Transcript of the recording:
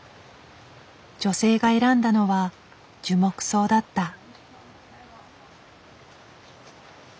女性が選んだのは樹木葬だった。